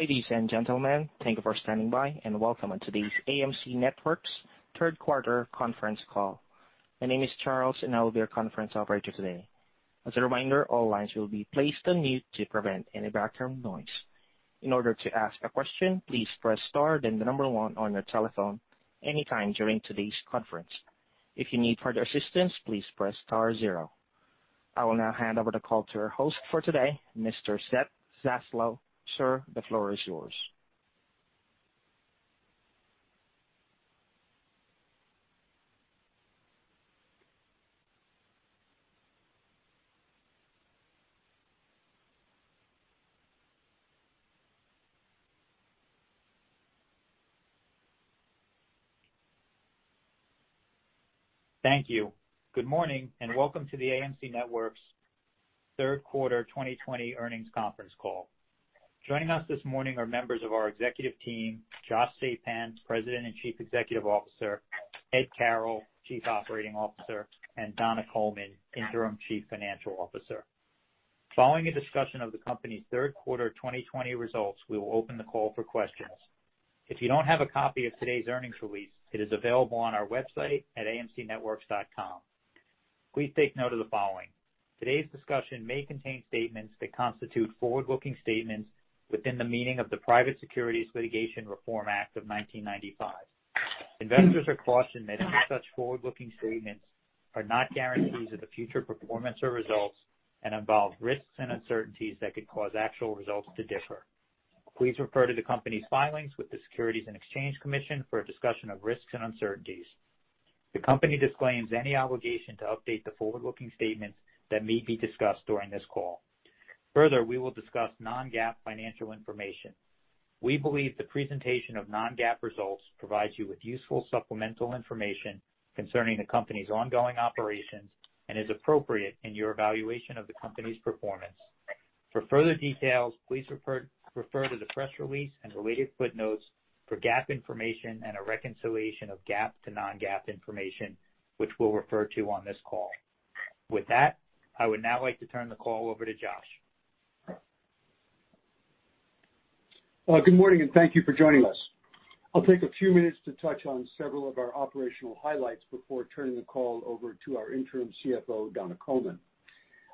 Ladies and gentlemen, thank you for standing by and welcome to today's AMC Networks third-quarter conference call. My name is Charles, and I will be your conference operator today. As a reminder, all lines will be placed on mute to prevent any background noise. In order to ask a question, please press star then the number one on your telephone anytime during today's conference. If you need further assistance, please press star zero. I will now hand over the call to our host for today, Mr. Seth Zaslow. Sir, the floor is yours. Thank you. Good morning and welcome to the AMC Networks third-quarter 2020 earnings conference call. Joining us this morning are members of our executive team, Josh Sapan, President and Chief Executive Officer, Ed Carroll, Chief Operating Officer, and Donna Coleman, Interim Chief Financial Officer. Following a discussion of the company's third-quarter 2020 results, we will open the call for questions. If you don't have a copy of today's earnings release, it is available on our website at AMCNetworks.com. Please take note of the following: today's discussion may contain statements that constitute forward-looking statements within the meaning of the Private Securities Litigation Reform Act of 1995. Investors are cautioned that any such forward-looking statements are not guarantees of the future performance or results and involve risks and uncertainties that could cause actual results to differ. Please refer to the company's filings with the Securities and Exchange Commission for a discussion of risks and uncertainties. The company disclaims any obligation to update the forward-looking statements that may be discussed during this call. Further, we will discuss non-GAAP financial information. We believe the presentation of non-GAAP results provides you with useful supplemental information concerning the company's ongoing operations and is appropriate in your evaluation of the company's performance. For further details, please refer to the press release and related footnotes for GAAP information and a reconciliation of GAAP to non-GAAP information, which we'll refer to on this call. With that, I would now like to turn the call over to Josh. Good morning and thank you for joining us. I'll take a few minutes to touch on several of our operational highlights before turning the call over to our Interim CFO, Donna Coleman.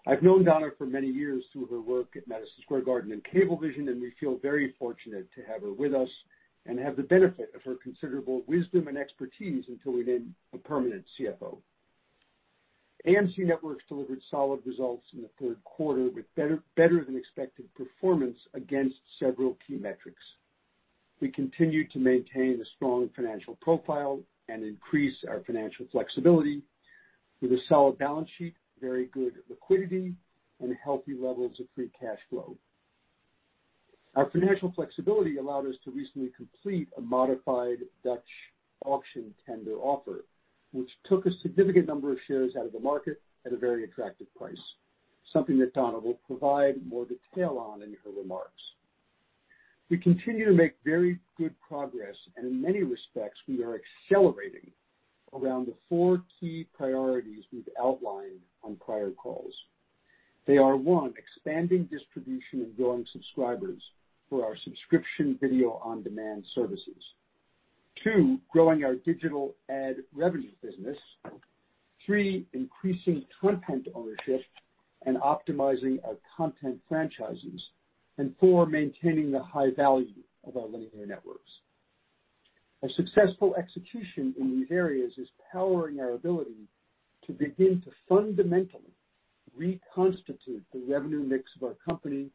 I've known Donna for many years through her work at Madison Square Garden and Cablevision, and we feel very fortunate to have her with us and have the benefit of her considerable wisdom and expertise until we name a permanent CFO. AMC Networks delivered solid results in the third quarter with better-than-expected performance against several key metrics. We continue to maintain a strong financial profile and increase our financial flexibility with a solid balance sheet, very good liquidity, and healthy levels of free cash flow. Our financial flexibility allowed us to recently complete a modified Dutch auction tender offer, which took a significant number of shares out of the market at a very attractive price, something that Donna will provide more detail on in her remarks. We continue to make very good progress, and in many respects, we are accelerating around the four key priorities we've outlined on prior calls. They are, one, expanding distribution and growing subscribers for our subscription video on-demand services, two, growing our digital ad revenue business, three, increasing content ownership and optimizing our content franchises, and four, maintaining the high value of our linear networks. A successful execution in these areas is powering our ability to begin to fundamentally reconstitute the revenue mix of our company,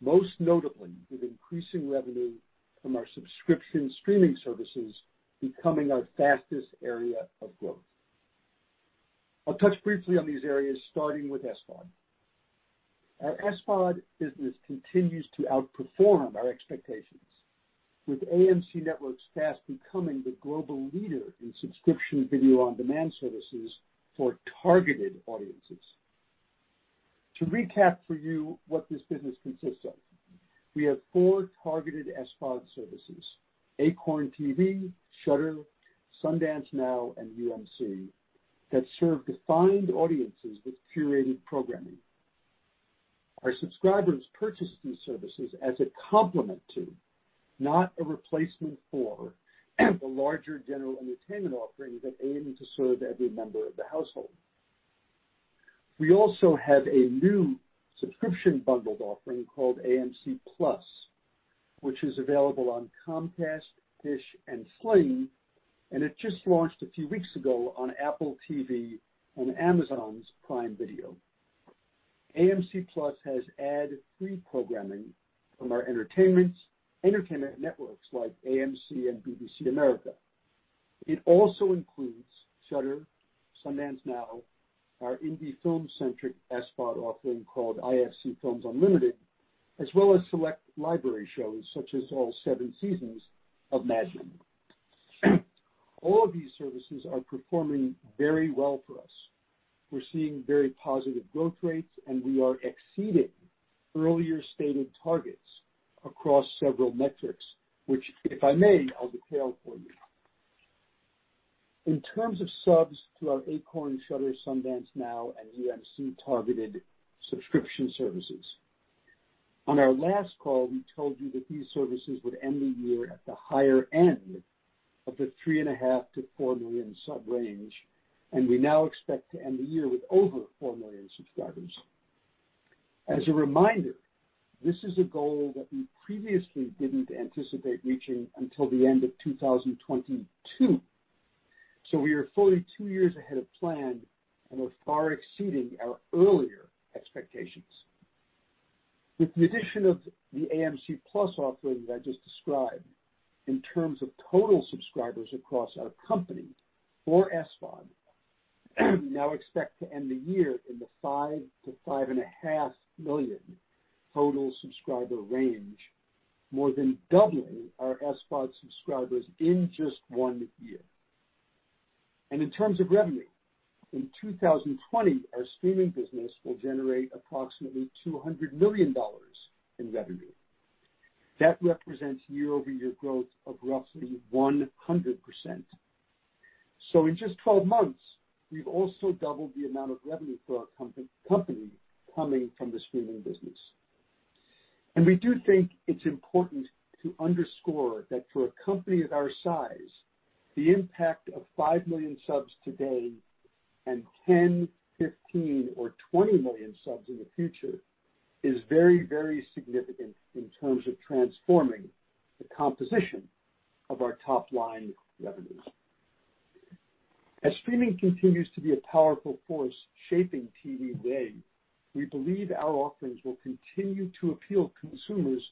most notably with increasing revenue from our subscription streaming services becoming our fastest area of growth. I'll touch briefly on these areas, starting with SVOD. Our SVOD business continues to outperform our expectations, with AMC Networks fast becoming the global leader in subscription video on-demand services for targeted audiences. To recap for you what this business consists of, we have four targeted SVOD services: Acorn TV, Shudder, Sundance Now, and UMC that serve defined audiences with curated programming. Our subscribers purchase these services as a complement to, not a replacement for, the larger general entertainment offerings that aim to serve every member of the household. We also have a new subscription bundled offering called AMC+, which is available on Comcast, DISH, and Sling, and it just launched a few weeks ago on Apple TV and Amazon's Prime Video. AMC+ has ad-free programming from our entertainment networks like AMC and BBC America. It also includes Shudder, Sundance Now, our indie film-centric SVOD offering called IFC Films Unlimited, as well as select library shows such as all seven seasons of Mad Men. All of these services are performing very well for us. We're seeing very positive growth rates, and we are exceeding earlier stated targets across several metrics, which, if I may, I'll detail for you. In terms of subs to our Acorn, Shudder, Sundance Now, and UMC targeted subscription services, on our last call, we told you that these services would end the year at the higher end of the three and a half to four million sub range, and we now expect to end the year with over four million subscribers. As a reminder, this is a goal that we previously didn't anticipate reaching until the end of 2022, so we are fully two years ahead of plan and are far exceeding our earlier expectations. With the addition of the AMC+ offering that I just described, in terms of total subscribers across our company for SVOD, we now expect to end the year in the five to five and a half million total subscriber range, more than doubling our SVOD subscribers in just one year. And in terms of revenue, in 2020, our streaming business will generate approximately $200 million in revenue. That represents year-over-year growth of roughly 100%. So in just 12 months, we've also doubled the amount of revenue for our company coming from the streaming business. And we do think it's important to underscore that for a company of our size, the impact of five million subs today and 10, 15, or 20 million subs in the future is very, very significant in terms of transforming the composition of our top-line revenues. As streaming continues to be a powerful force shaping TV today, we believe our offerings will continue to appeal to consumers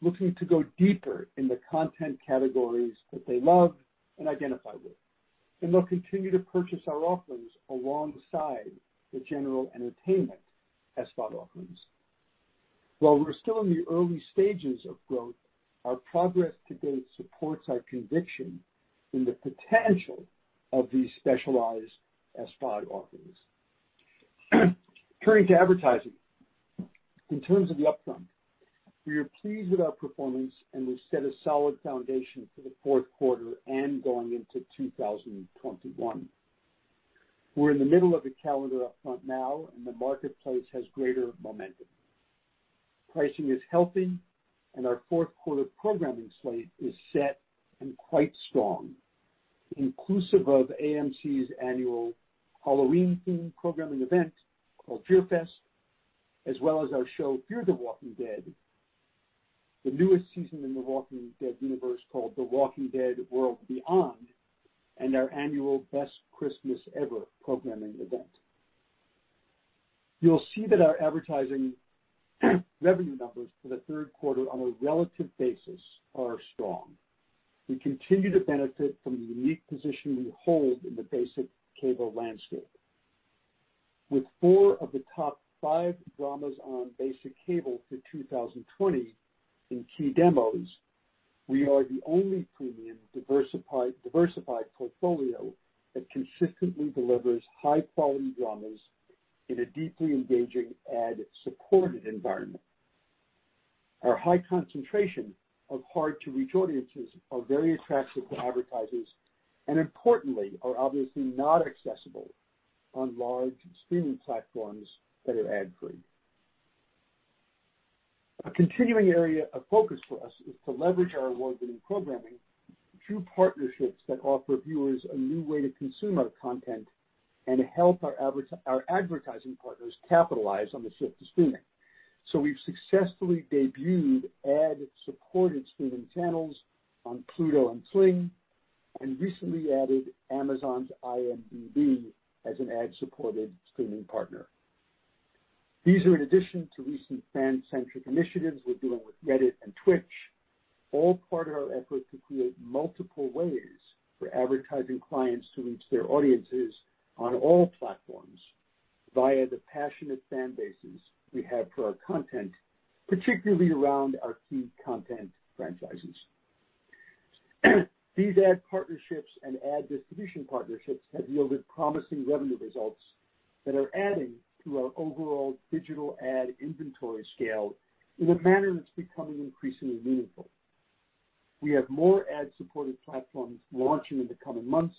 looking to go deeper in the content categories that they love and identify with, and they'll continue to purchase our offerings alongside the general entertainment SVOD offerings. While we're still in the early stages of growth, our progress to date supports our conviction in the potential of these specialized SVOD offerings. Turning to advertising, in terms of the Upfront, we are pleased with our performance, and we've set a solid foundation for the fourth quarter and going into 2021. We're in the middle of the calendar upfront now, and the marketplace has greater momentum. Pricing is healthy, and our fourth-quarter programming slate is set and quite strong, inclusive of AMC's annual Halloween-themed programming event called FearFest, as well as our show Fear the Walking Dead, the newest season in the Walking Dead universe called The Walking Dead: World Beyond, and our annual Best Christmas Ever programming event. You'll see that our advertising revenue numbers for the third quarter on a relative basis are strong. We continue to benefit from the unique position we hold in the basic cable landscape. With four of the top five dramas on basic cable to 2020 in key demos, we are the only premium diversified portfolio that consistently delivers high-quality dramas in a deeply engaging ad-supported environment. Our high concentration of hard-to-reach audiences are very attractive to advertisers and, importantly, are obviously not accessible on large streaming platforms that are ad-free. A continuing area of focus for us is to leverage our award-winning programming through partnerships that offer viewers a new way to consume our content and help our advertising partners capitalize on the shift to streaming. So we've successfully debuted ad-supported streaming channels on Pluto and Sling and recently added Amazon's IMDb as an ad-supported streaming partner. These are in addition to recent fan-centric initiatives we're doing with Reddit and Twitch, all part of our effort to create multiple ways for advertising clients to reach their audiences on all platforms via the passionate fan bases we have for our content, particularly around our key content franchises. These ad partnerships and ad distribution partnerships have yielded promising revenue results that are adding to our overall digital ad inventory scale in a manner that's becoming increasingly meaningful. We have more ad-supported platforms launching in the coming months,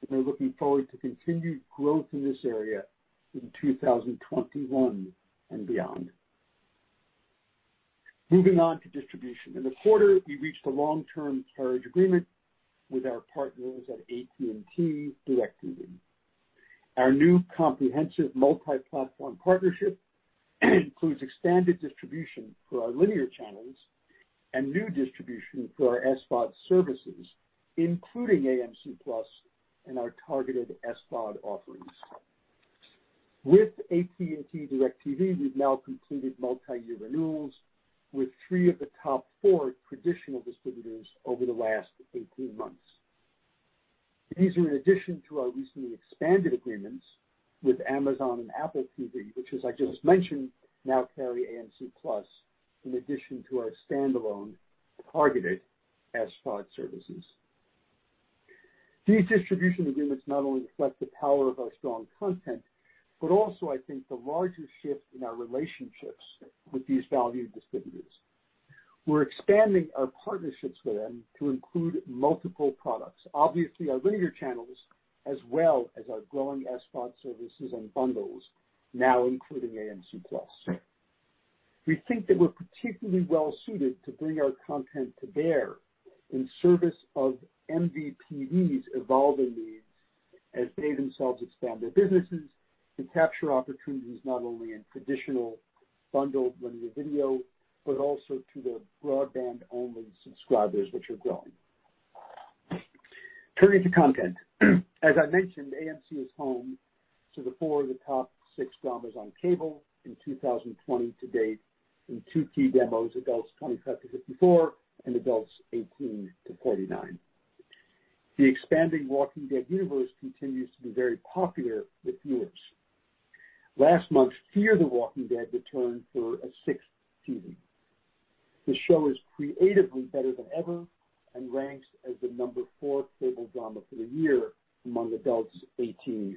and we're looking forward to continued growth in this area in 2021 and beyond. Moving on to distribution. In the quarter, we reached a long-term carriage agreement with our partners at AT&T DIRECTV. Our new comprehensive multi-platform partnership includes expanded distribution for our linear channels and new distribution for our SVOD services, including AMC+ and our targeted SVOD offerings. With AT&T DIRECTV, we've now completed multi-year renewals with three of the top four traditional distributors over the last 18 months. These are in addition to our recently expanded agreements with Amazon and Apple TV, which, as I just mentioned, now carry AMC+ in addition to our standalone targeted SVOD services. These distribution agreements not only reflect the power of our strong content but also, I think, the larger shift in our relationships with these valued distributors. We're expanding our partnerships with them to include multiple products, obviously our linear channels, as well as our growing SVOD services and bundles, now including AMC+. We think that we're particularly well-suited to bring our content to bear in service of MVPD's evolving needs as they themselves expand their businesses to capture opportunities not only in traditional bundled linear video but also to the broadband-only subscribers, which are growing. Turning to content, as I mentioned, AMC is home to four of the top six dramas on cable in 2020 to date in two key demos, Adults 25-54 and Adults 18-49. The expanding Walking Dead universe continues to be very popular with viewers. Last month, Fear the Walking Dead returned for a sixth season. The show is creatively better than ever and ranks as the number four cable drama for the year among Adults 18-49,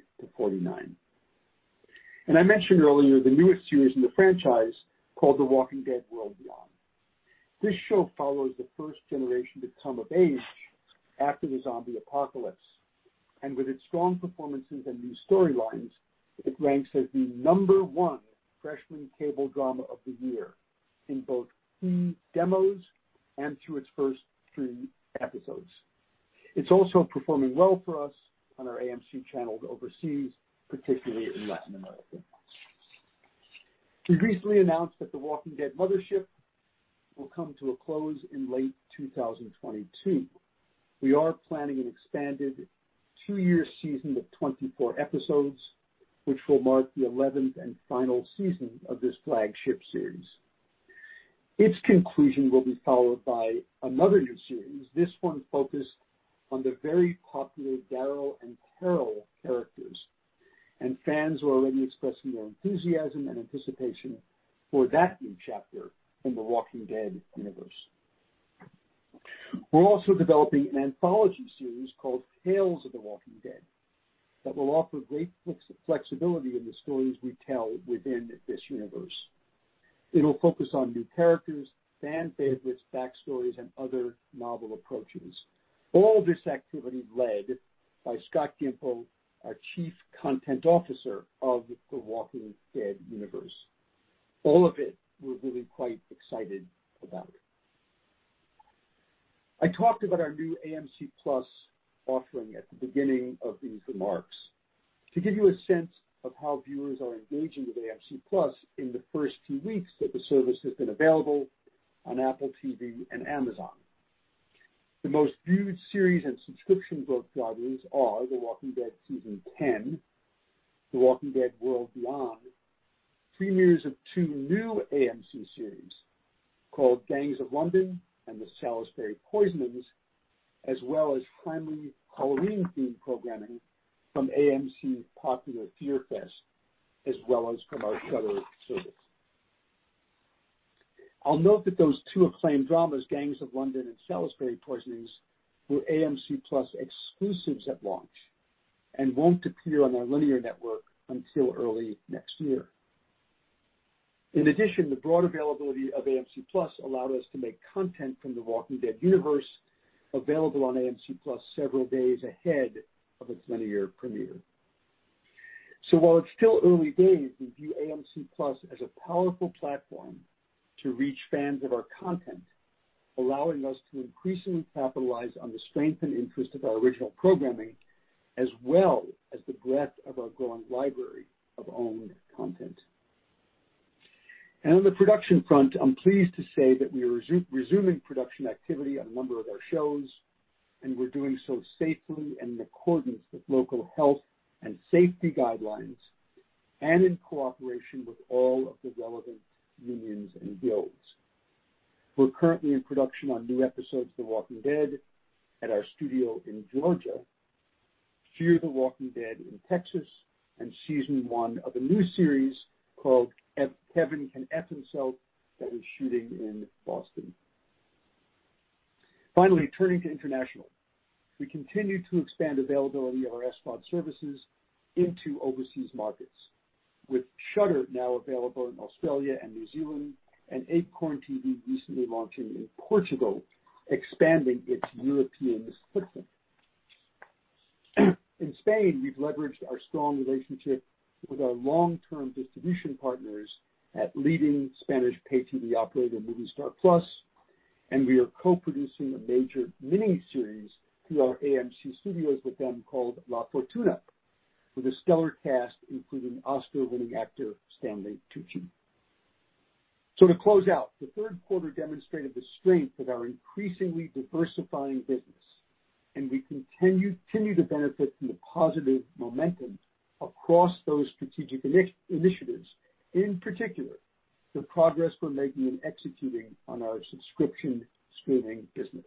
and I mentioned earlier the newest series in the franchise called The Walking Dead: World Beyond. This show follows the first generation to come of age after the zombie apocalypse, and with its strong performances and new storylines, it ranks as the number one freshman cable drama of the year in both key demos and through its first three episodes. It's also performing well for us on our AMC channels overseas, particularly in Latin America. We recently announced that the Walking Dead mothership will come to a close in late 2022. We are planning an expanded two-year season of 24 episodes, which will mark the 11th and final season of this flagship series. Its conclusion will be followed by another new series, this one focused on the very popular Daryl and Carol characters, and fans are already expressing their enthusiasm and anticipation for that new chapter in the Walking Dead universe. We're also developing an anthology series called Tales of the Walking Dead that will offer great flexibility in the stories we tell within this universe. It'll focus on new characters, fan favorites, backstories, and other novel approaches, all this activity led by Scott Gimple, our Chief Content Officer of the Walking Dead universe. All of it we're really quite excited about. I talked about our new AMC+ offering at the beginning of these remarks to give you a sense of how viewers are engaging with AMC+ in the first few weeks that the service has been available on Apple TV and Amazon. The most viewed series and subscription bookings are The Walking Dead Season 10, The Walking Dead: World Beyond, premieres of two new AMC series called Gangs of London and The Salisbury Poisonings, as well as frightening Halloween-themed programming from AMC's popular FearFest, as well as from our Shudder service. I'll note that those two acclaimed dramas, Gangs of London and Salisbury Poisonings, were AMC+ exclusives at launch and won't appear on our linear network until early next year. In addition, the broad availability of AMC+ allowed us to make content from the Walking Dead universe available on AMC+ several days ahead of its linear premiere. So while it's still early days, we view AMC+ as a powerful platform to reach fans of our content, allowing us to increasingly capitalize on the strength and interest of our original programming, as well as the breadth of our growing library of owned content. And on the production front, I'm pleased to say that we are resuming production activity on a number of our shows, and we're doing so safely and in accordance with local health and safety guidelines and in cooperation with all of the relevant unions and guilds. We're currently in production on new episodes of The Walking Dead at our studio in Georgia, Fear the Walking Dead in Texas, and Season one of a new series called Kevin Can F**k Himself that we're shooting in Boston. Finally, turning to international, we continue to expand availability of our SVOD services into overseas markets, with Shudder now available in Australia and New Zealand, and Acorn TV recently launching in Portugal, expanding its European footprint. In Spain, we've leveraged our strong relationship with our long-term distribution partners at leading Spanish pay TV operator Movistar+, and we are co-producing a major miniseries through our AMC Studios with them called La Fortuna, with a stellar cast including Oscar-winning actor Stanley Tucci. So to close out, the third quarter demonstrated the strength of our increasingly diversifying business, and we continue to benefit from the positive momentum across those strategic initiatives, in particular the progress we're making in executing on our subscription streaming business.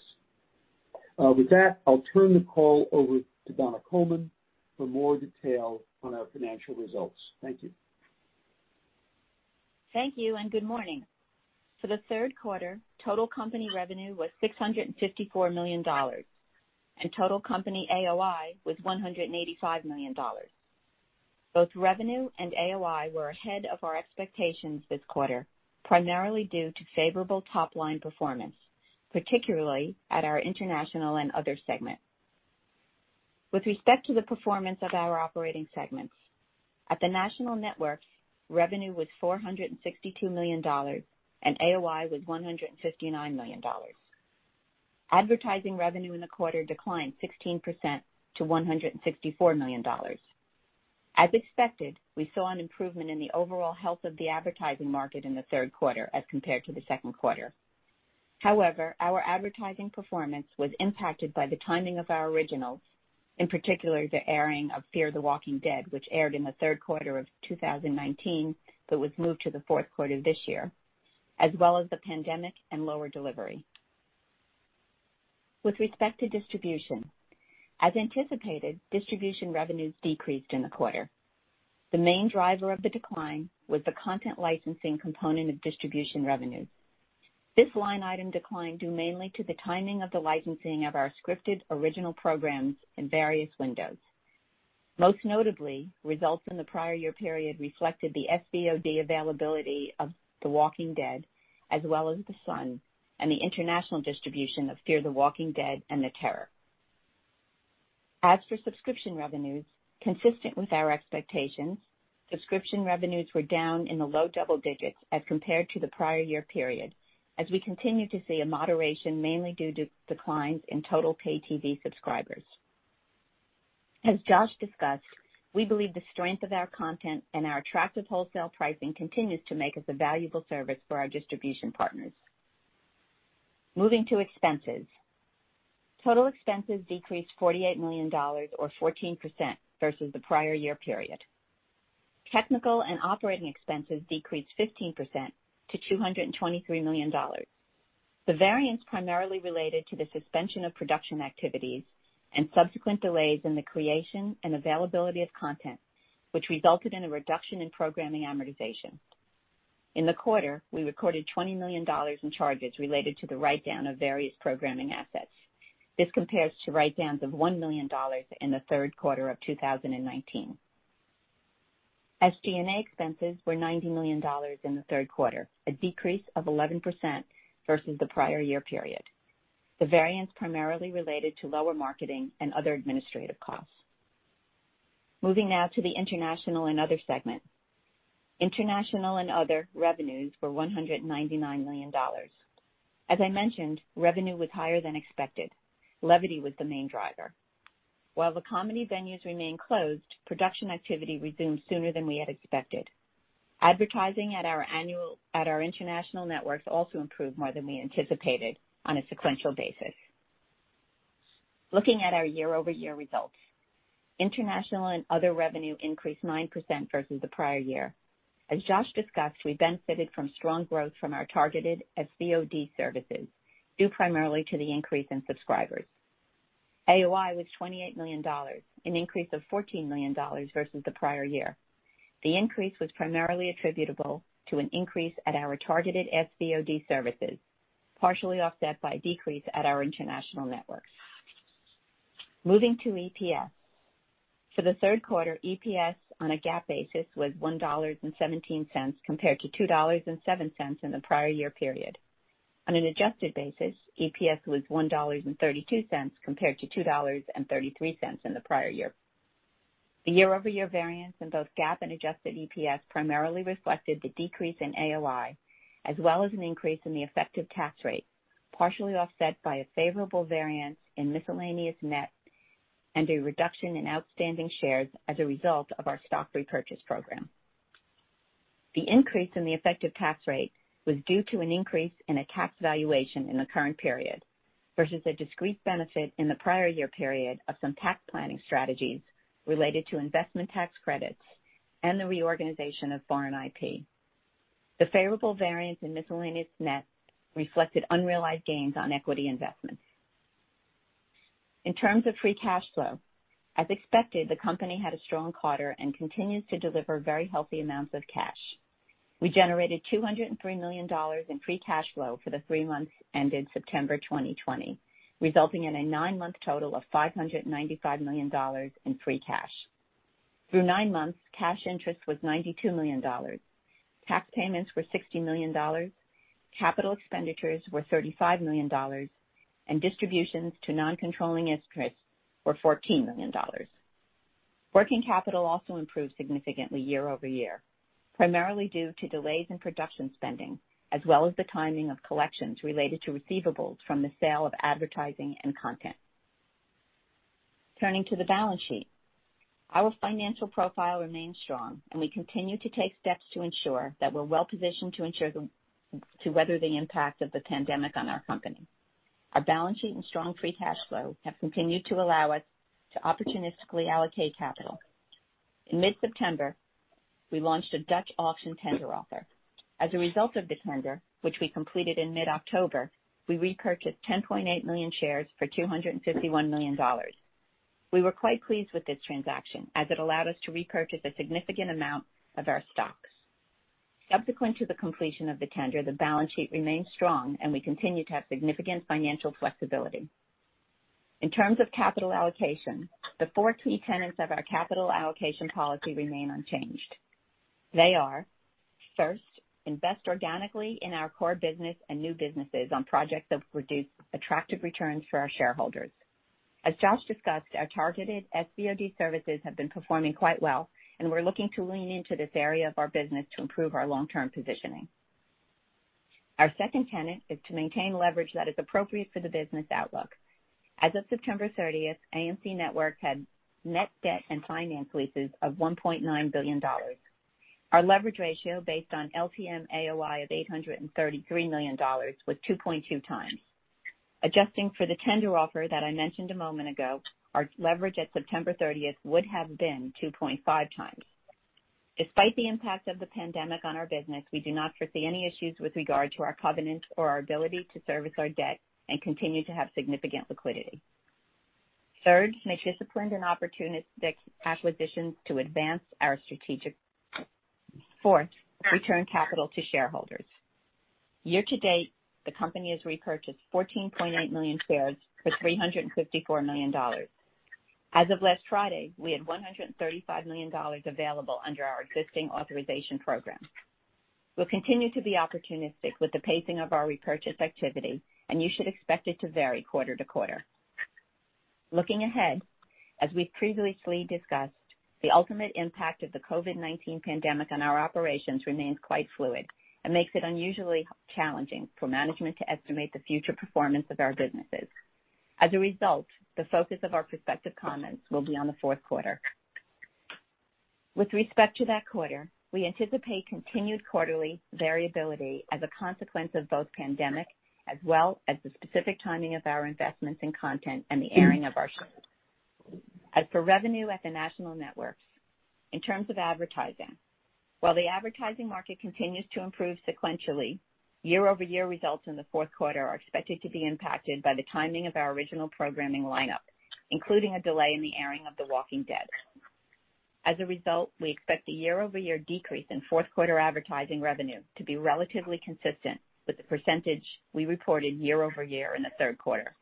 With that, I'll turn the call over to Donna Coleman for more detail on our financial results. Thank you. Thank you, and good morning. For the third quarter, total company revenue was $654 million, and total company AOI was $185 million. Both revenue and AOI were ahead of our expectations this quarter, primarily due to favorable top-line performance, particularly at our international and other segments. With respect to the performance of our operating segments, at the national networks, revenue was $462 million, and AOI was $159 million. Advertising revenue in the quarter declined 16% to $164 million. As expected, we saw an improvement in the overall health of the advertising market in the third quarter as compared to the second quarter. However, our advertising performance was impacted by the timing of our originals, in particular the airing of Fear the Walking Dead, which aired in the third quarter of 2019 but was moved to the fourth quarter this year, as well as the pandemic and lower delivery. With respect to distribution, as anticipated, distribution revenues decreased in the quarter. The main driver of the decline was the content licensing component of distribution revenues. This line item declined due mainly to the timing of the licensing of our scripted original programs in various windows. Most notably, results in the prior year period reflected the SVOD availability of The Walking Dead, as well as The Son, and the international distribution of Fear the Walking Dead and The Terror. As for subscription revenues, consistent with our expectations, subscription revenues were down in the low double digits as compared to the prior year period, as we continue to see a moderation mainly due to declines in total pay TV subscribers. As Josh discussed, we believe the strength of our content and our attractive wholesale pricing continues to make us a valuable service for our distribution partners. Moving to expenses, total expenses decreased $48 million, or 14%, versus the prior year period. Technical and operating expenses decreased 15% to $223 million. The variance primarily related to the suspension of production activities and subsequent delays in the creation and availability of content, which resulted in a reduction in programming amortization. In the quarter, we recorded $20 million in charges related to the write-down of various programming assets. This compares to write-downs of $1 million in the third quarter of 2019. SG&A expenses were $90 million in the third quarter, a decrease of 11% versus the prior year period. The variance primarily related to lower marketing and other administrative costs. Moving now to the international and other segment. International and other revenues were $199 million. As I mentioned, revenue was higher than expected. Levity was the main driver. While the comedy venues remained closed, production activity resumed sooner than we had expected. Advertising at our international networks also improved more than we anticipated on a sequential basis. Looking at our year-over-year results, international and other revenue increased 9% versus the prior year. As Josh discussed, we benefited from strong growth from our targeted SVOD services due primarily to the increase in subscribers. AOI was $28 million, an increase of $14 million versus the prior year. The increase was primarily attributable to an increase at our targeted SVOD services, partially offset by a decrease at our international networks. Moving to EPS. For the third quarter, EPS on a GAAP basis was $1.17 compared to $2.07 in the prior year period. On an adjusted basis, EPS was $1.32 compared to $2.33 in the prior year. The year-over-year variance in both GAAP and adjusted EPS primarily reflected the decrease in AOI, as well as an increase in the effective tax rate, partially offset by a favorable variance in miscellaneous net and a reduction in outstanding shares as a result of our stock repurchase program. The increase in the effective tax rate was due to an increase in a tax valuation in the current period versus a discrete benefit in the prior year period of some tax planning strategies related to investment tax credits and the reorganization of foreign IP. The favorable variance in miscellaneous net reflected unrealized gains on equity investments. In terms of free cash flow, as expected, the company had a strong quarter and continues to deliver very healthy amounts of cash. We generated $203 million in free cash flow for the three months ended September 2020, resulting in a nine-month total of $595 million in free cash. Through nine months, cash interest was $92 million. Tax payments were $60 million. Capital expenditures were $35 million, and distributions to non-controlling interest were $14 million. Working capital also improved significantly year-over-year, primarily due to delays in production spending, as well as the timing of collections related to receivables from the sale of advertising and content. Turning to the balance sheet, our financial profile remains strong, and we continue to take steps to ensure that we're well-positioned to weather the impact of the pandemic on our company. Our balance sheet and strong free cash flow have continued to allow us to opportunistically allocate capital. In mid-September, we launched a Dutch auction tender offer. As a result of the tender, which we completed in mid-October, we repurchased 10.8 million shares for $251 million. We were quite pleased with this transaction, as it allowed us to repurchase a significant amount of our stocks. Subsequent to the completion of the tender, the balance sheet remained strong, and we continue to have significant financial flexibility. In terms of capital allocation, the four key tenets of our capital allocation policy remain unchanged. They are, first, invest organically in our core business and new businesses on projects that will produce attractive returns for our shareholders. As Josh discussed, our targeted SVOD services have been performing quite well, and we're looking to lean into this area of our business to improve our long-term positioning. Our second tenet is to maintain leverage that is appropriate for the business outlook. As of September 30th, AMC Networks had net debt and finance leases of $1.9 billion. Our leverage ratio, based on LTM AOI of $833 million, was 2.2 times. Adjusting for the tender offer that I mentioned a moment ago, our leverage at September 30th would have been 2.5 times. Despite the impact of the pandemic on our business, we do not foresee any issues with regard to our covenants or our ability to service our debt and continue to have significant liquidity. Third, make disciplined and opportunistic acquisitions to advance our strategic goals. Fourth, return capital to shareholders. Year to date, the company has repurchased 14.8 million shares for $354 million. As of last Friday, we had $135 million available under our existing authorization program. We'll continue to be opportunistic with the pacing of our repurchase activity, and you should expect it to vary quarter to quarter. Looking ahead, as we've previously discussed, the ultimate impact of the COVID-19 pandemic on our operations remains quite fluid and makes it unusually challenging for management to estimate the future performance of our businesses. As a result, the focus of our prospective comments will be on the fourth quarter. With respect to that quarter, we anticipate continued quarterly variability as a consequence of both pandemic, as well as the specific timing of our investments in content and the airing of our shows. As for revenue at the national networks, in terms of advertising, while the advertising market continues to improve sequentially, year-over-year results in the fourth quarter are expected to be impacted by the timing of our original programming lineup, including a delay in the airing of The Walking Dead. As a result, we expect the year-over-year decrease in fourth quarter advertising revenue to be relatively consistent with the percentage we reported year-over-year in the third quarter.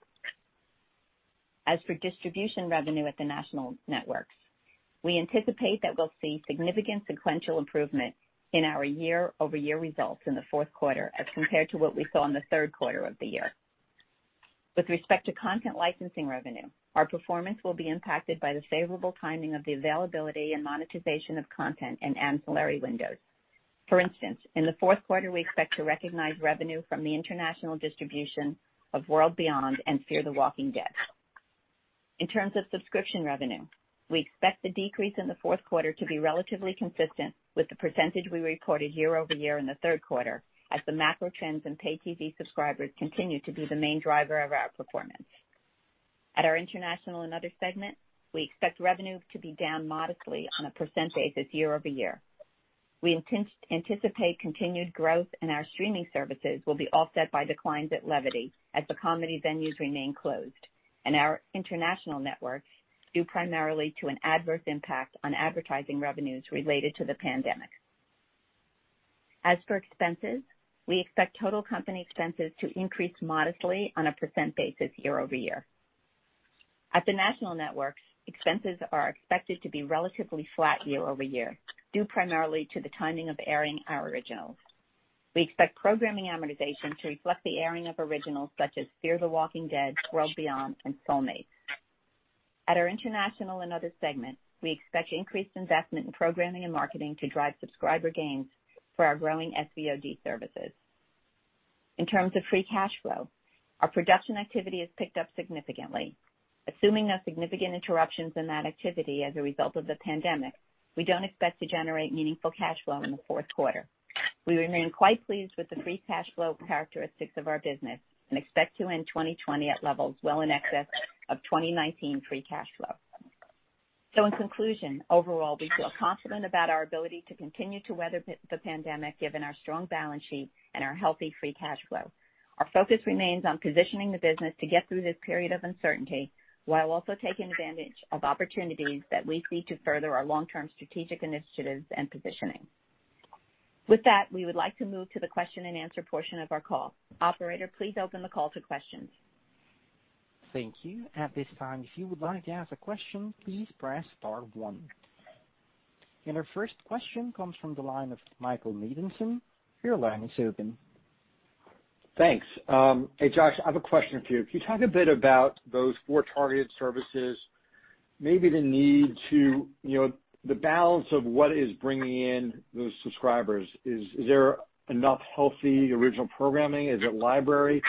As for distribution revenue at the national networks, we anticipate that we'll see significant sequential improvement in our year-over-year results in the fourth quarter as compared to what we saw in the third quarter of the year. With respect to content licensing revenue, our performance will be impacted by the favorable timing of the availability and monetization of content and ancillary windows. For instance, in the fourth quarter, we expect to recognize revenue from the international distribution of World Beyond and Fear the Walking Dead. In terms of subscription revenue, we expect the decrease in the fourth quarter to be relatively consistent with the percentage we reported year-over-year in the third quarter, as the macro trends in pay TV subscribers continue to be the main driver of our performance. At our international and other segments, we expect revenue to be down modestly on a % basis year-over-year. We anticipate continued growth in our streaming services will be offset by declines at Levity as the comedy venues remain closed, and our international networks due primarily to an adverse impact on advertising revenues related to the pandemic. As for expenses, we expect total company expenses to increase modestly on a % basis year-over-year. At the national networks, expenses are expected to be relatively flat year-over-year due primarily to the timing of airing our originals. We expect programming amortization to reflect the airing of originals such as Fear the Walking Dead, World Beyond, and Soulmates. At our international and other segments, we expect increased investment in programming and marketing to drive subscriber gains for our growing SVOD services. In terms of free cash flow, our production activity has picked up significantly. Assuming no significant interruptions in that activity as a result of the pandemic, we don't expect to generate meaningful cash flow in the fourth quarter. We remain quite pleased with the free cash flow characteristics of our business and expect to end 2020 at levels well in excess of 2019 free cash flow. So, in conclusion, overall, we feel confident about our ability to continue to weather the pandemic given our strong balance sheet and our healthy free cash flow. Our focus remains on positioning the business to get through this period of uncertainty while also taking advantage of opportunities that we see to further our long-term strategic initiatives and positioning. With that, we would like to move to the question-and-answer portion of our call. Operator, please open the call to questions. Thank you. At this time, if you would like to ask a question, please press star one. And our first question comes from the line of Michael Nathanson. Your line is open. Thanks. Hey, Josh, I have a question for you. Can you talk a bit about those four targeted services, maybe the need to the balance of what is bringing in those subscribers? Is there enough healthy original programming? Is it library?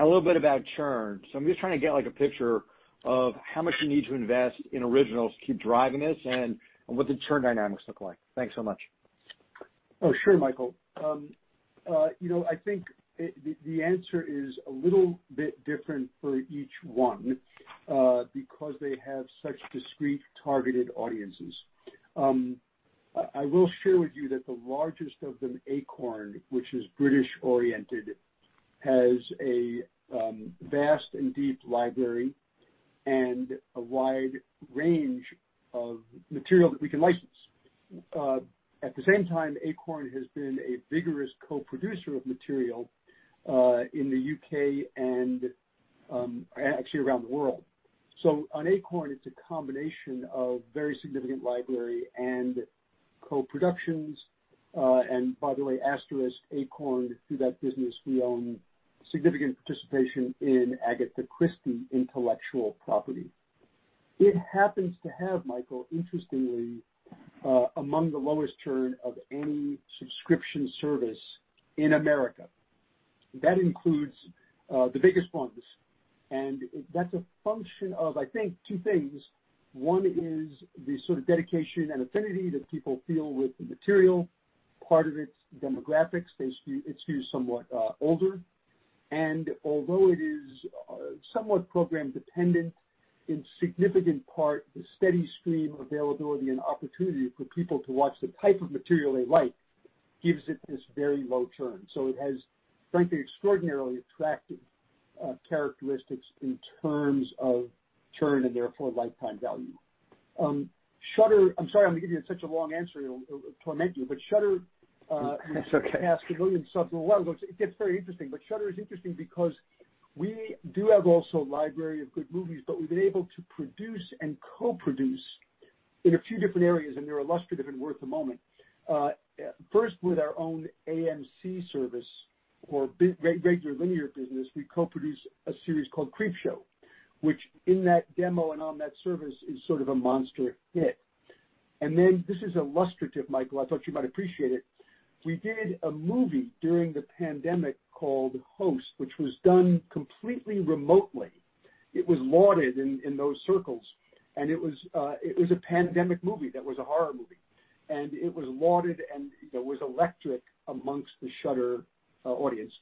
A little bit about churn. So I'm just trying to get a picture of how much you need to invest in originals to keep driving this and what the churn dynamics look like. Thanks so much. Oh, sure, Michael. I think the answer is a little bit different for each one because they have such discrete targeted audiences. I will share with you that the largest of them, Acorn, which is British-oriented, has a vast and deep library and a wide range of material that we can license. At the same time, Acorn has been a vigorous co-producer of material in the U.K. and actually around the world. So, on Acorn, it's a combination of very significant library and co-productions. And by the way, asterisk, Acorn, through that business, we own significant participation in Agatha Christie intellectual property. It happens to have, Michael, interestingly, among the lowest churn of any subscription service in America. That includes the biggest ones, and that's a function of, I think, two things. One is the sort of dedication and affinity that people feel with the material, part of its demographics. It's used somewhat older. Although it is somewhat program-dependent, in significant part, the steady stream availability and opportunity for people to watch the type of material they like gives it this very low churn. So it has, frankly, extraordinarily attractive characteristics in terms of churn and therefore lifetime value. I'm sorry I'm going to give you such a long answer. It'll torment you, but Shudder has a million subs a while ago. It gets very interesting, but Shudder is interesting because we do have also a library of good movies, but we've been able to produce and co-produce in a few different areas, and they're illustrative and worth a moment. First, with our own AMC service or regular linear business, we co-produced a series called Creepshow, which in that demo and on that service is sort of a monster hit. And then this is illustrative, Michael. I thought you might appreciate it. We did a movie during the pandemic called Host, which was done completely remotely. It was lauded in those circles, and it was a pandemic movie that was a horror movie. And it was lauded and was electric amongst the Shudder audience.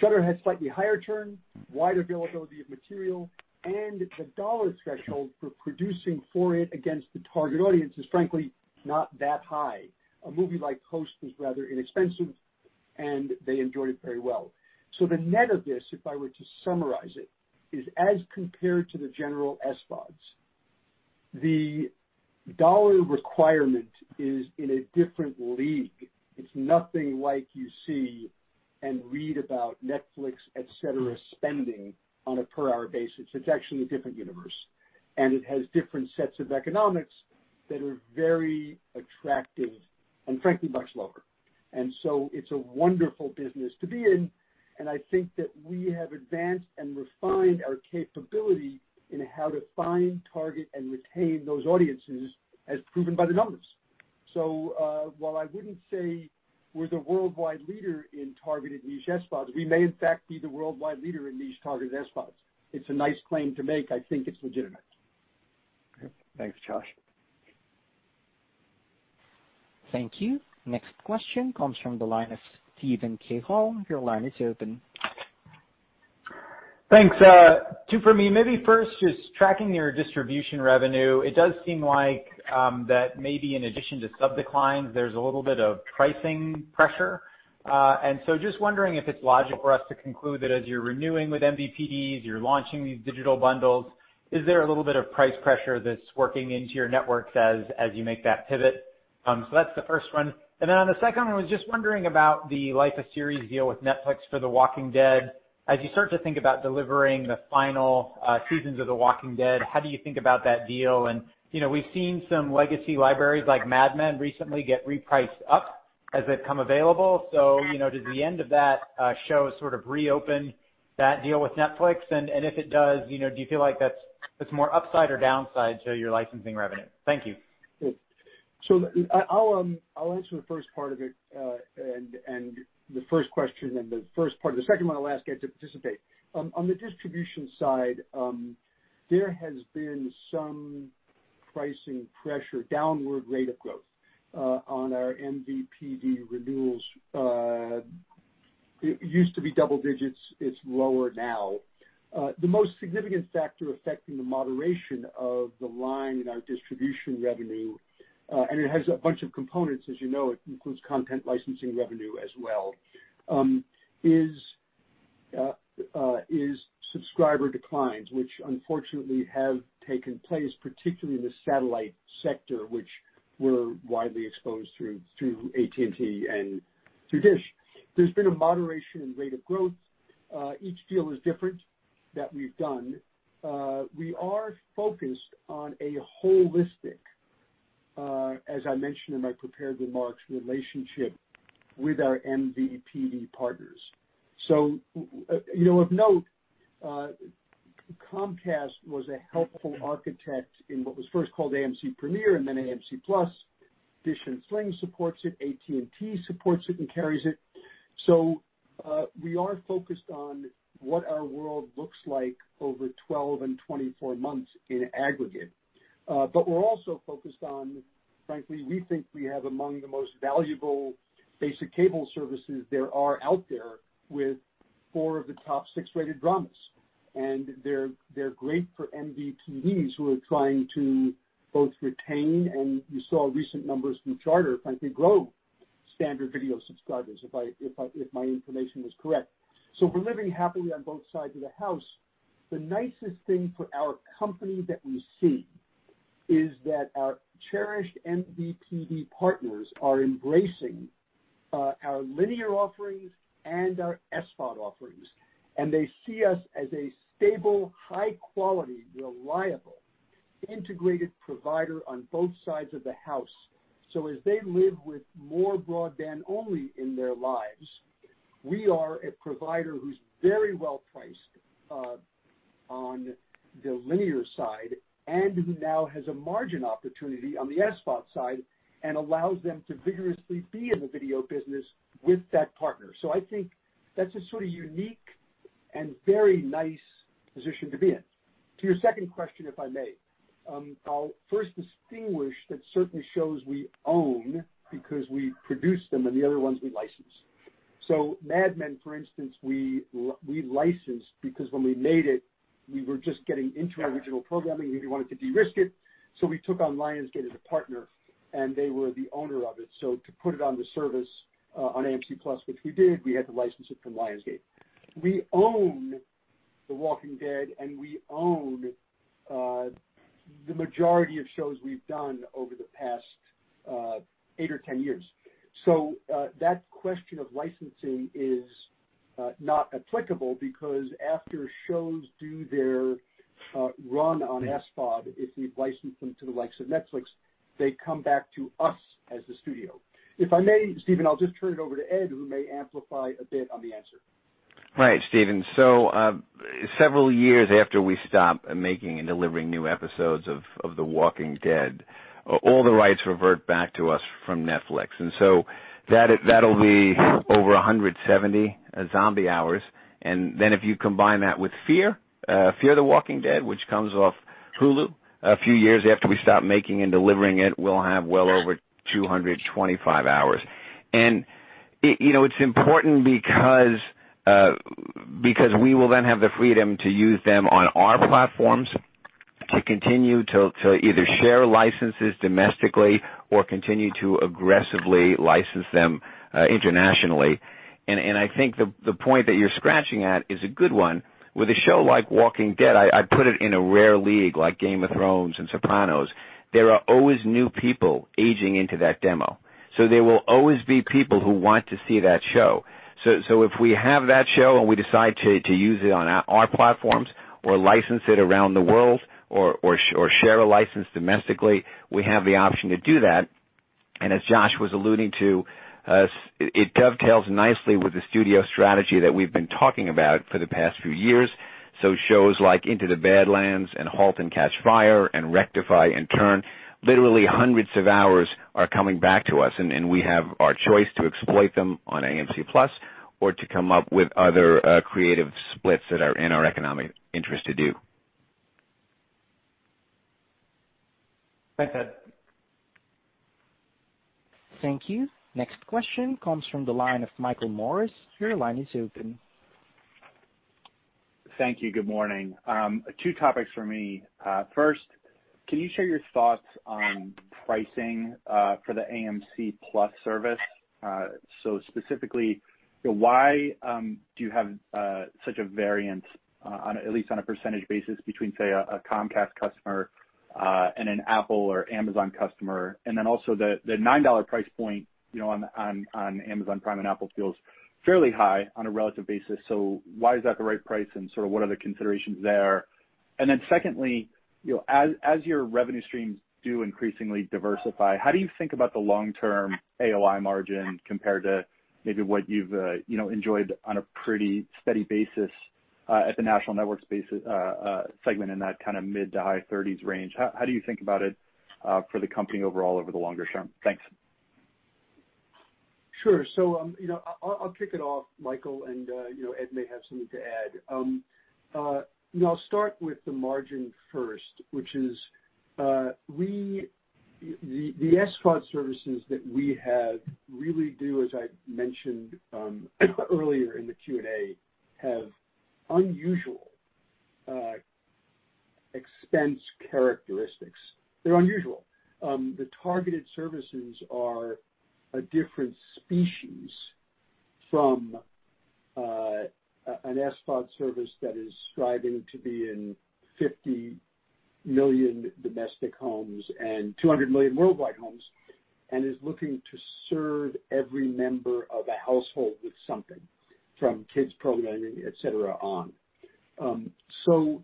Shudder had slightly higher churn, wider availability of material, and the dollar threshold for producing for it against the target audience is, frankly, not that high. A movie like Host was rather inexpensive, and they enjoyed it very well. So the net of this, if I were to summarize it, is as compared to the general SVODs, the dollar requirement is in a different league. It's nothing like you see and read about Netflix, etc., spending on a per-hour basis. It's actually a different universe, and it has different sets of economics that are very attractive and, frankly, much lower. And so it's a wonderful business to be in, and I think that we have advanced and refined our capability in how to find, target, and retain those audiences, as proven by the numbers. So while I wouldn't say we're the worldwide leader in targeted niche SVODs, we may, in fact, be the worldwide leader in niche targeted SVODs. It's a nice claim to make. I think it's legitimate. Thanks, Josh. Thank you. Next question comes from the line of Steven Cahall. Your line is open. Thanks. Two for me. Maybe first, just tracking your distribution revenue. It does seem like that maybe in addition to sub declines, there's a little bit of pricing pressure. And so just wondering if it's logical for us to conclude that as you're renewing with MVPDs, you're launching these digital bundles, is there a little bit of price pressure that's working into your networks as you make that pivot? So that's the first one. And then on the second one, I was just wondering about the Life of Series deal with Netflix for The Walking Dead. As you start to think about delivering the final seasons of The Walking Dead, how do you think about that deal? And we've seen some legacy libraries like Mad Men recently get repriced up as they become available. So does the end of that show sort of reopen that deal with Netflix? And if it does, do you feel like that's more upside or downside to your licensing revenue? Thank you. So, I'll answer the first part of it and the first question and the first part of the second one. I'll ask you to participate. On the distribution side, there has been some pricing pressure, downward rate of growth on our MVPD renewals. It used to be double digits. It's lower now. The most significant factor affecting the moderation of the line in our distribution revenue, and it has a bunch of components, as you know, it includes content licensing revenue as well, is subscriber declines, which unfortunately have taken place, particularly in the satellite sector, which we're widely exposed through AT&T and through DISH. There's been a moderation in rate of growth. Each deal is different that we've done. We are focused on a holistic, as I mentioned in my prepared remarks, relationship with our MVPD partners. So of note, Comcast was a helpful architect in what was first called AMC Premiere and then AMC+. DISH and Sling supports it. AT&T supports it and carries it. So we are focused on what our world looks like over 12 and 24 months in aggregate. But we're also focused on, frankly, we think we have among the most valuable basic cable services there are out there with four of the top six-rated dramas. And they're great for MVPDs who are trying to both retain, and you saw recent numbers from Charter, frankly, grow standard video subscribers, if my information was correct. So we're living happily on both sides of the house. The nicest thing for our company that we see is that our cherished MVPD partners are embracing our linear offerings and our SVOD offerings. And they see us as a stable, high-quality, reliable, integrated provider on both sides of the house. So as they live with more broadband only in their lives, we are a provider who's very well priced on the linear side and who now has a margin opportunity on the SVOD side and allows them to vigorously be in the video business with that partner. So I think that's a sort of unique and very nice position to be in. To your second question, if I may, I'll first distinguish that certainly shows we own because we produce them and the other ones we license. So Mad Men, for instance, we licensed because when we made it, we were just getting into original programming and we wanted to de-risk it. So we took on Lionsgate as a partner, and they were the owner of it. So to put it on the service on AMC+, which we did, we had to license it from Lionsgate. We own The Walking Dead, and we own the majority of shows we've done over the past eight or 10 years. So that question of licensing is not applicable because after shows do their run on SVOD, if we've licensed them to the likes of Netflix, they come back to us as the studio. If I may, Steven, I'll just turn it over to Ed, who may amplify a bit on the answer. Right, Steven. So several years after we stopped making and delivering new episodes of The Walking Dead, all the rights revert back to us from Netflix. And so that'll be over 170 zombie hours. And then if you combine that with Fear the Walking Dead, which comes off Hulu a few years after we stop making and delivering it, we'll have well over 225 hours. And it's important because we will then have the freedom to use them on our platforms to continue to either share licenses domestically or continue to aggressively license them internationally. And I think the point that you're scratching at is a good one. With a show like The Walking Dead, I put it in a rare league like Game of Thrones and Sopranos. There are always new people aging into that demo. So there will always be people who want to see that show. So if we have that show and we decide to use it on our platforms or license it around the world or share a license domestically, we have the option to do that. As Josh was alluding to, it dovetails nicely with the studio strategy that we've been talking about for the past few years. So shows like Into the Badlands and Halt and Catch Fire and Rectify and Turn, literally hundreds of hours are coming back to us, and we have our choice to exploit them on AMC+ or to come up with other creative splits that are in our economic interest to do. Thank you. Next question comes from the line of Michael Morris. Your line is open. Thank you. Good morning. Two topics for me. First, can you share your thoughts on pricing for the AMC+ service? So specifically, why do you have such a variance, at least on a percentage basis, between, say, a Comcast customer and an Apple or Amazon customer? And then also the $9 price point on Amazon Prime and Apple feels fairly high on a relative basis. So why is that the right price and sort of what are the considerations there? And then secondly, as your revenue streams do increasingly diversify, how do you think about the long-term AOI margin compared to maybe what you've enjoyed on a pretty steady basis at the national network segment in that kind of mid- to high-30s range? How do you think about it for the company overall over the longer term? Thanks. Sure. I'll kick it off, Michael, and Ed may have something to add. I'll start with the margin first, which is the SVOD services that we have really do, as I mentioned earlier in the Q&A, have unusual expense characteristics. They're unusual. The targeted services are a different species from an SVOD service that is striving to be in 50 million domestic homes and 200 million worldwide homes and is looking to serve every member of a household with something from kids programming, etc., on. So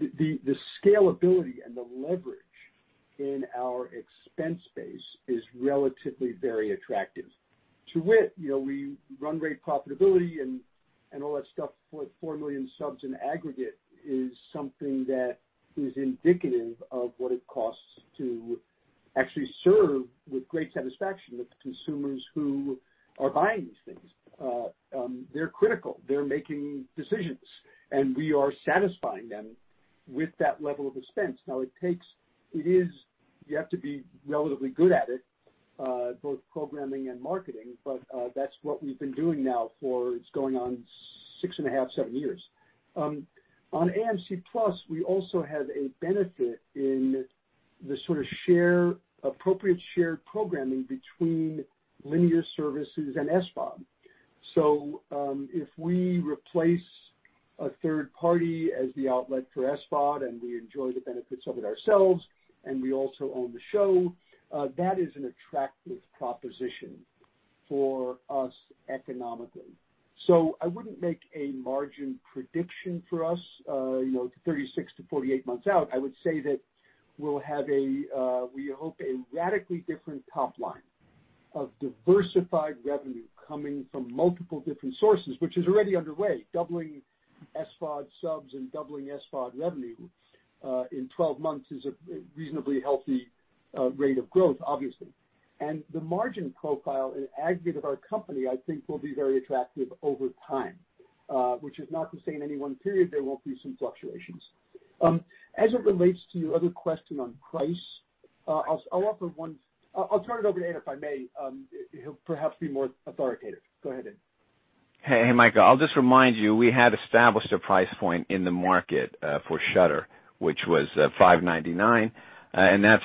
the scalability and the leverage in our expense base is relatively very attractive. To wit, we run rate profitability and all that stuff for 4 million subs in aggregate is something that is indicative of what it costs to actually serve with great satisfaction of consumers who are buying these things. They're critical. They're making decisions, and we are satisfying them with that level of expense. Now, it takes you have to be relatively good at it, both programming and marketing, but that's what we've been doing now for it's going on six and a half, seven years. On AMC+, we also have a benefit in the sort of appropriate shared programming between linear services and SVOD. So if we replace a third party as the outlet for SVOD and we enjoy the benefits of it ourselves and we also own the show, that is an attractive proposition for us economically. So I wouldn't make a margin prediction for us 36-48 months out. I would say that we'll have a we hope a radically different top line of diversified revenue coming from multiple different sources, which is already underway. Doubling SVOD subs and doubling SVOD revenue in 12 months is a reasonably healthy rate of growth, obviously. And the margin profile in aggregate of our company, I think, will be very attractive over time, which is not to say in any one period there won't be some fluctuations. As it relates to your other question on price, I'll offer one. I'll turn it over to Ed if I may. He'll perhaps be more authoritative. Go ahead, Ed. Hey, Michael. I'll just remind you, we had established a price point in the market for Shudder, which was $5.99, and that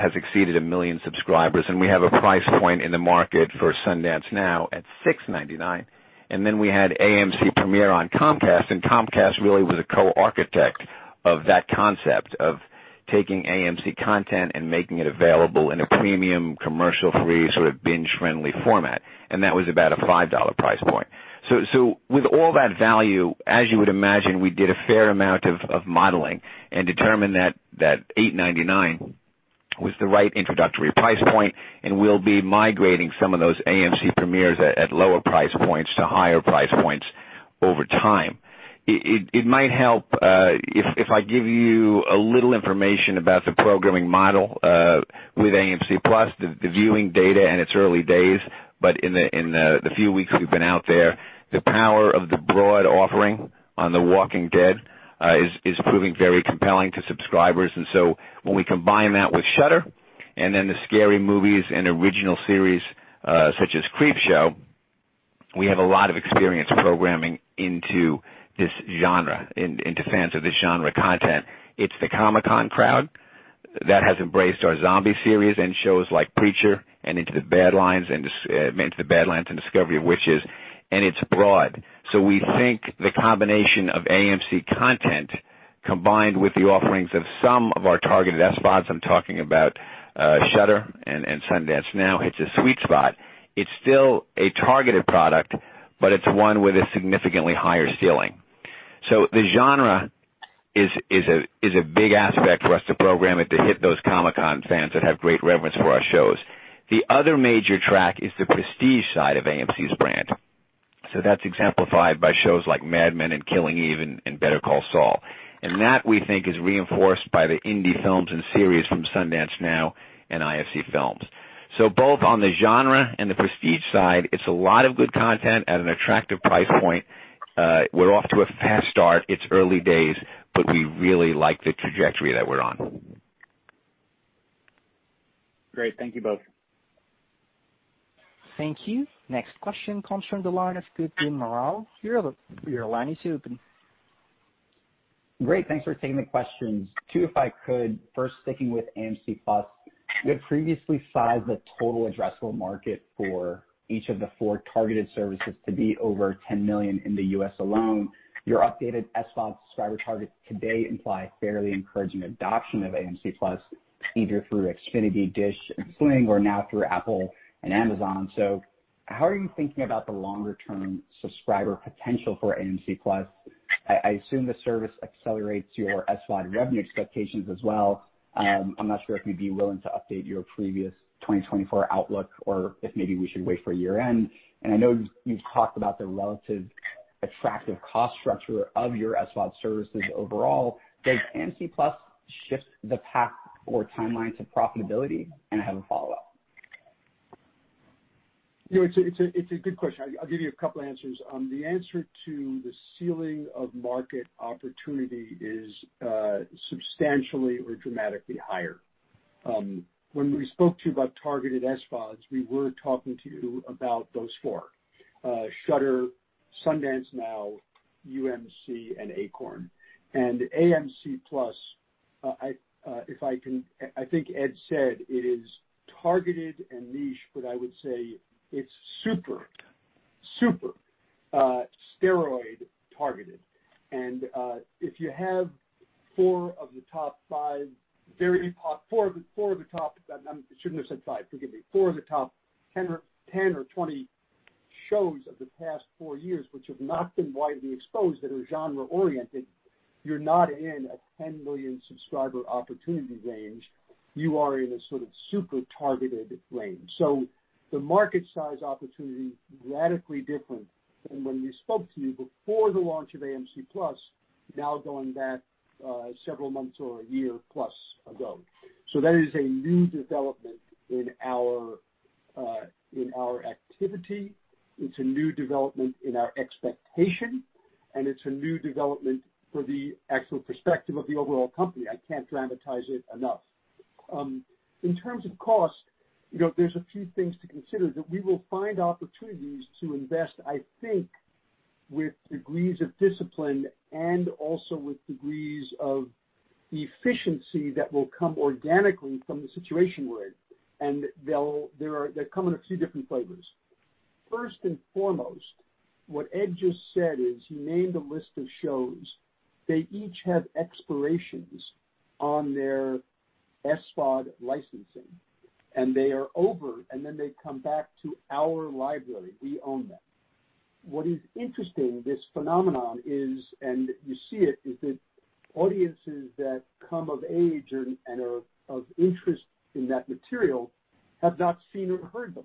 has exceeded a million subscribers. And we have a price point in the market for Sundance Now at $6.99. And then we had AMC Premiere on Comcast, and Comcast really was a co-architect of that concept of taking AMC content and making it available in a premium commercial-free sort of binge-friendly format. And that was about a $5 price point. With all that value, as you would imagine, we did a fair amount of modeling and determined that $8.99 was the right introductory price point and will be migrating some of those AMC Premiere at lower price points to higher price points over time. It might help if I give you a little information about the programming model with AMC+, the viewing data and its early days. But in the few weeks we've been out there, the power of the broad offering on The Walking Dead is proving very compelling to subscribers. And so when we combine that with Shudder and then the scary movies and original series such as Creepshow, we have a lot of experience programming into this genre, into fans of this genre content. It's the Comic-Con crowd that has embraced our zombie series and shows like Preacher and Into the Badlands and A Discovery of Witches, and it's broad. So we think the combination of AMC content combined with the offerings of some of our targeted SVODs, I'm talking about Shudder and Sundance Now, hits a sweet spot. It's still a targeted product, but it's one with a significantly higher ceiling. So the genre is a big aspect for us to program it to hit those Comic-Con fans that have great reverence for our shows. The other major track is the prestige side of AMC's brand. So that's exemplified by shows like Mad Men and Killing Eve and Better Call Saul. And that, we think, is reinforced by the indie films and series from Sundance Now and IFC Films. So both on the genre and the prestige side, it's a lot of good content at an attractive price point. We're off to a fast start. It's early days, but we really like the trajectory that we're on. Great. Thank you both. Thank you. Next question comes from Kutgun Maral of RBC Capital Markets. Your line is open. Great. Thanks for taking the questions. Two, if I could, first sticking with AMC+. You had previously sized the total addressable market for each of the four targeted services to be over 10 million in the U.S. alone. Your updated SVOD subscriber targets today imply fairly encouraging adoption of AMC+, either through Xfinity, DISH, and Sling, or now through Apple and Amazon. So how are you thinking about the longer-term subscriber potential for AMC+? I assume the service accelerates your SVOD revenue expectations as well. I'm not sure if you'd be willing to update your previous 2024 outlook or if maybe we should wait for year-end. And I know you've talked about the relatively attractive cost structure of your SVOD services overall. Does AMC+ shift the path or timeline to profitability? And I have a follow-up. It's a good question. I'll give you a couple of answers. The answer to the ceiling of market opportunity is substantially or dramatically higher. When we spoke to you about targeted SVODs, we were talking to you about those four: Shudder, Sundance Now, UMC, and Acorn. And AMC+, if I can, I think Ed said it is targeted and niche, but I would say it's super, super steroid targeted. And if you have four of the top five, four of the top, I shouldn't have said five. Forgive me. Four of the top 10 or 20 shows of the past four years, which have not been widely exposed that are genre-oriented. You're not in a 10 million subscriber opportunity range. You are in a sort of super targeted range, so the market size opportunity is radically different than when we spoke to you before the launch of AMC+, now going back several months or a year plus ago. That is a new development in our activity. It's a new development in our expectation, and it's a new development for the actual perspective of the overall company. I can't dramatize it enough. In terms of cost, there's a few things to consider that we will find opportunities to invest, I think, with degrees of discipline and also with degrees of efficiency that will come organically from the situation we're in, and they're coming in a few different flavors. First and foremost, what Ed just said is he named a list of shows. They each have expirations on their SVOD licensing, and they are over, and then they come back to our library. We own them. What is interesting, this phenomenon is, and you see it, is that audiences that come of age and are of interest in that material have not seen or heard them.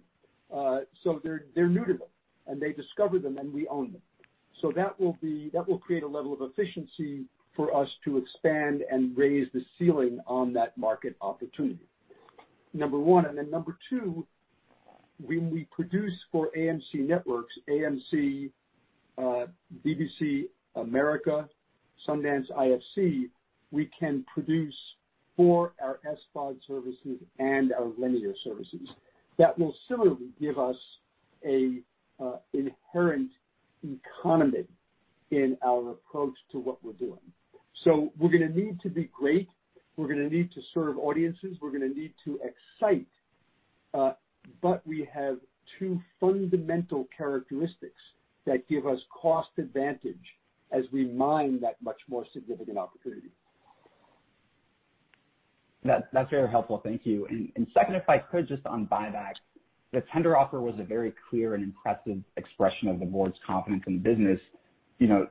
So they're new to them, and they discover them, and we own them. So that will create a level of efficiency for us to expand and raise the ceiling on that market opportunity, number one. And then number two, when we produce for AMC Networks, AMC, BBC America, Sundance IFC, we can produce for our SVOD services and our linear services. That will similarly give us an inherent economy in our approach to what we're doing. So we're going to need to be great. We're going to need to serve audiences. We're going to need to excite. But we have two fundamental characteristics that give us cost advantage as we mine that much more significant opportunity. That's very helpful. Thank you. And second, if I could, just on buybacks, the tender offer was a very clear and impressive expression of the board's confidence in the business.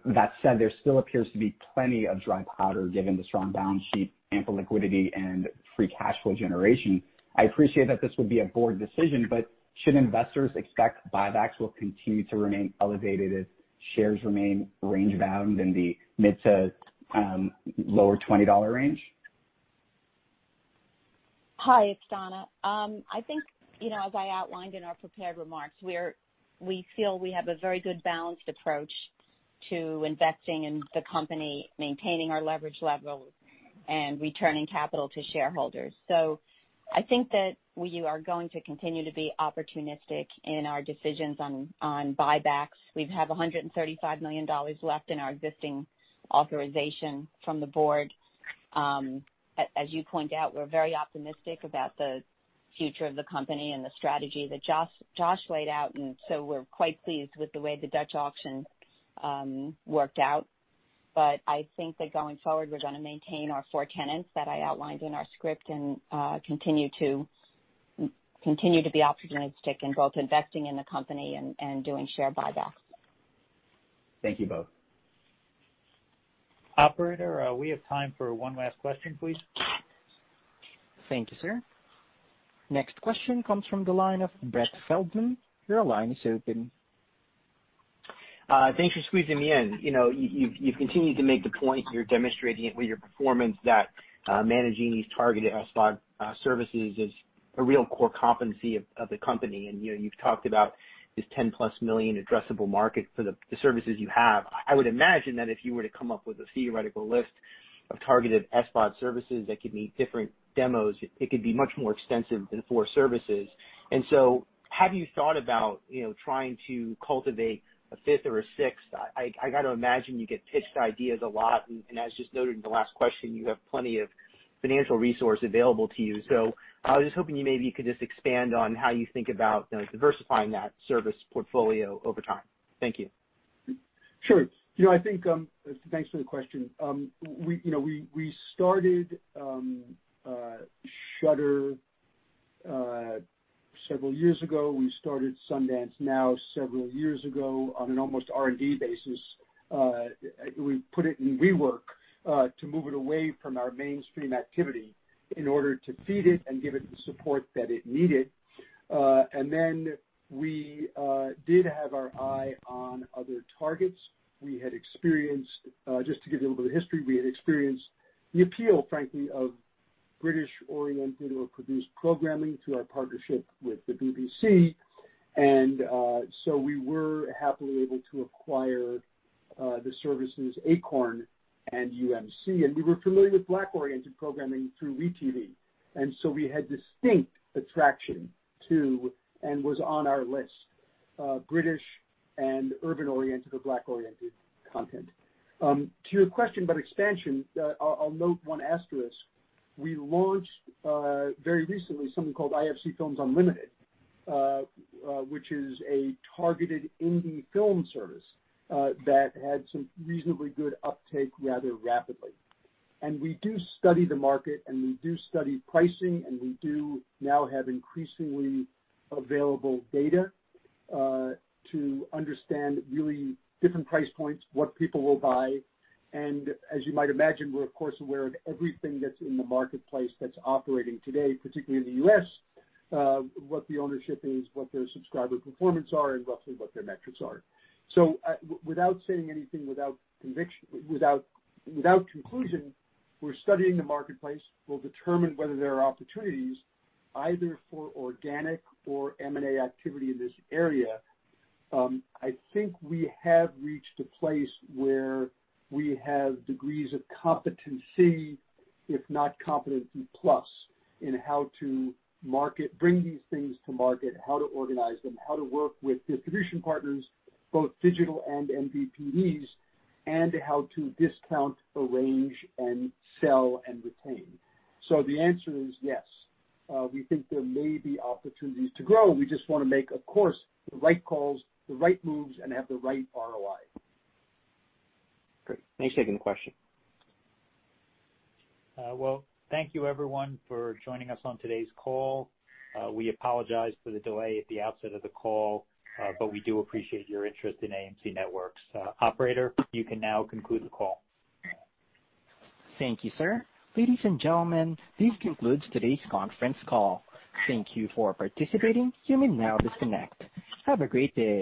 That said, there still appears to be plenty of dry powder given the strong balance sheet, ample liquidity, and free cash flow generation. I appreciate that this would be a board decision, but should investors expect buybacks will continue to remain elevated as shares remain range-bound in the mid to lower $20 range? Hi, it's Donna. I think, as I outlined in our prepared remarks, we feel we have a very good balanced approach to investing in the company, maintaining our leverage level, and returning capital to shareholders. So I think that we are going to continue to be opportunistic in our decisions on buybacks. We have $135 million left in our existing authorization from the board. As you point out, we're very optimistic about the future of the company and the strategy that Josh laid out. And so we're quite pleased with the way the Dutch auction worked out. But I think that going forward, we're going to maintain our four tenets that I outlined in our script and continue to be opportunistic in both investing in the company and doing share buybacks. Thank you both. Operator, we have time for one last question, please. Thank you, sir. Next question comes from Brett Feldman. Your line is open. Thanks for squeezing me in. You've continued to make the point here demonstrating it with your performance that managing these targeted SVOD services is a real core competency of the company. And you've talked about this 10-plus million addressable market for the services you have. I would imagine that if you were to come up with a theoretical list of targeted SVOD services that could meet different demos, it could be much more extensive than four services. And so have you thought about trying to cultivate a fifth or a sixth? I got to imagine you get pitched ideas a lot. And as just noted in the last question, you have plenty of financial resources available to you. So I was just hoping you maybe could just expand on how you think about diversifying that service portfolio over time. Thank you. Sure. I think thanks for the question. We started Shudder several years ago. We started Sundance Now several years ago on an almost R&D basis. We put it in WeWork to move it away from our mainstream activity in order to feed it and give it the support that it needed. And then we did have our eye on other targets. We had experienced, just to give you a little bit of history, we had experienced the appeal, frankly, of British-oriented or produced programming through our partnership with the BBC. And so we were happily able to acquire the services Acorn and UMC. And we were familiar with Black-oriented programming through WE tv. And so we had distinct attraction to and was on our list: British and urban-oriented or Black-oriented content. To your question about expansion, I'll note one asterisk. We launched very recently something called IFC Films Unlimited, which is a targeted indie film service that had some reasonably good uptake rather rapidly. And we do study the market, and we do study pricing, and we do now have increasingly available data to understand really different price points, what people will buy. And as you might imagine, we're, of course, aware of everything that's in the marketplace that's operating today, particularly in the U.S., what the ownership is, what their subscriber performances are, and roughly what their metrics are. So without saying anything without conclusion, we're studying the marketplace. We'll determine whether there are opportunities either for organic or M&A activity in this area. I think we have reached a place where we have degrees of competency, if not competency plus, in how to bring these things to market, how to organize them, how to work with distribution partners, both digital and MVPDs, and how to discount, arrange, sell, and retain. So the answer is yes. We think there may be opportunities to grow. We just want to make, of course, the right calls, the right moves, and have the right ROI. Great. Thanks for taking the question. Well, thank you, everyone, for joining us on today's call. We apologize for the delay at the outset of the call, but we do appreciate your interest in AMC Networks. Operator, you can now conclude the call. Thank you, sir. Ladies and gentlemen, this concludes today's conference call. Thank you for participating. You may now disconnect. Have a great day.